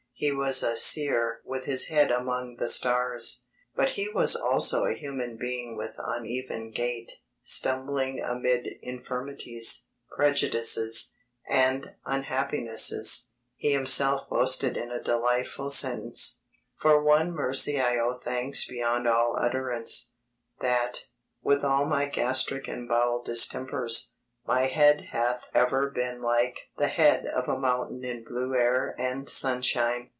He was a seer with his head among the stars, but he was also a human being with uneven gait, stumbling amid infirmities, prejudices, and unhappinesses. He himself boasted in a delightful sentence: For one mercy I owe thanks beyond all utterance that, with all my gastric and bowel distempers, my head hath ever been like the head of a mountain in blue air and sunshine.